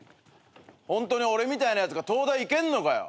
ホントに俺みたいなやつが東大行けんのかよ。